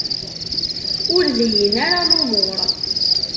Ur lhin ara lumuṛ.